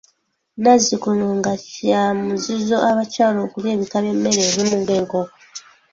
Nazzikuno nga kya muzizo abakyala okulya ebika by'emmere ebimu nga enkoko.